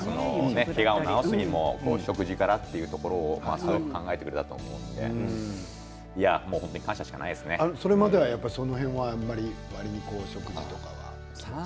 けがを治すにも食事からというところをすごく考えてくれたと思うのでその辺はわりと食事とかは。